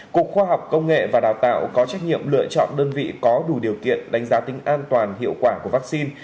cục khoa học công nghệ và đào tạo có trách nhiệm lựa chọn đơn vị có đủ điều kiện đánh giá tính an toàn hiệu quả của vaccine